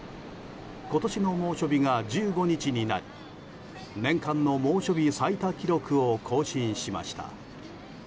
今年の猛暑日が１５日になり年間の猛暑日最多記録を更新しました。